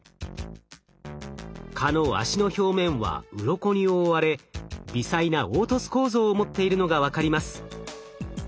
蚊の脚の表面はうろこに覆われ微細な凹凸構造を持っているのが分かります。